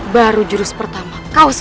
baru jurus pertama kau serta